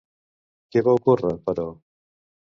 Què va ocórrer, però?